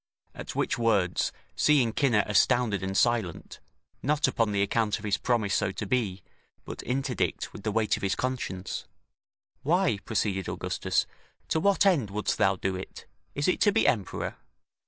At which words, seeing Cinna astounded and silent, not upon the account of his promise so to be, but interdict with the weight of his conscience: "Why," proceeded Augustus, "to what end wouldst thou do it? Is it to be emperor?